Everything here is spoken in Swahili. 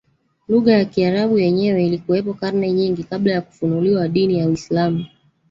lugha ya Kiarabu yenyewe ilikuwepo karne nyingi kabla ya kufunuliwa dini ya Uislamu